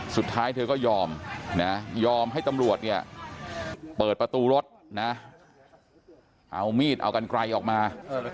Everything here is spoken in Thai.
สุดท้ายเธอก็ยอมนะยอมให้ตำรวจเนี่ยเปิดประตูรถนะเอามีดเอากันไกลออกมา